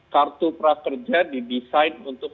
kartu prakerja didesain untuk